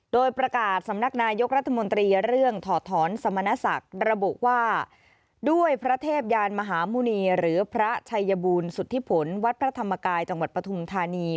โดยประกาศสำนักนายกรัฐมนตรีเรื่องถอดถอนสมณศักดิ์ระบุว่าด้วยพระเทพยานมหาหมุณีหรือพระชัยบูรณสุธิผลวัดพระธรรมกายจังหวัดปฐุมธานี